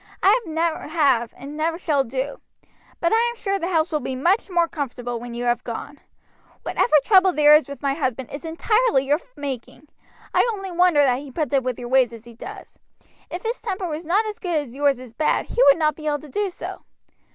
I never have and never shall do. But I am sure the house will be much more comfortable when you have gone. Whatever trouble there is with my husband is entirely your making. I only wonder that he puts up with your ways as he does. If his temper was not as good as yours is bad he would not be able to do so."